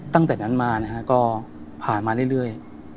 ตั้งแต่นั้นมานะฮะก็ผ่านมาเรื่อย